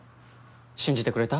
信じてくれた？